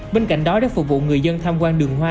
bên cạnh đó để phục vụ người dân tham quan đường hoa